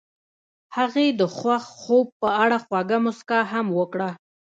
هغې د خوښ خوب په اړه خوږه موسکا هم وکړه.